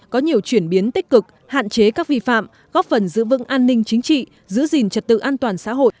có nhiều chuyển biến tích cực hạn chế các vi phạm góp phần giữ vững an ninh chính trị giữ gìn trật tự an toàn xã hội